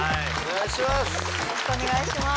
お願いします！